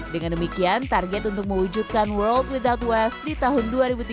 dengan demikian target untuk mewujudkan world without west di tahun dua ribu tiga puluh